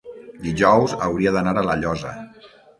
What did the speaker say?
Dijous hauria d'anar a La Llosa.